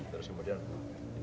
terus kemudian ini dulu